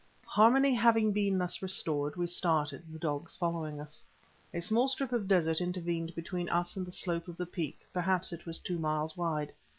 Harmony having been thus restored, we started, the dogs following us. A small strip of desert intervened between us and the slope of the peak—perhaps it was two miles wide.